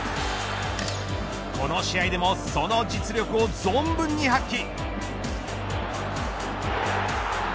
この試合でもその実力を存分に発揮。